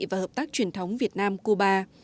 và hợp tác truyền thống việt nam cuba